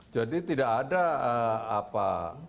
jadi tidak ada apa